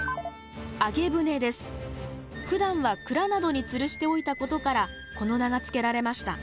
ふだんは蔵などにつるしておいたことからこの名が付けられました。